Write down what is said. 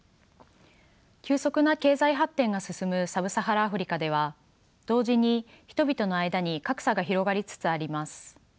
急速な経済発展が進むサブサハラアフリカでは同時に人々の間に格差が広がりつつあります。